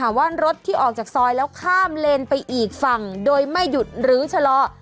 ว่ารถที่ออกจากซอยแล้วข้ามเลนไปอีกฝั่งโดยไม่หยุดหรือชะลอ